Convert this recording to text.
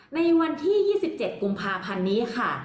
ในวันที่๒๗กุมภาพันธ์นี้ค่ะ